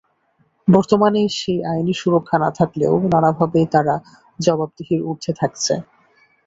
বর্তমানে সেই আইনি সুরক্ষা না থাকলেও নানাভাবেই তারা জবাবদিহির ঊর্ধ্বে থাকছে।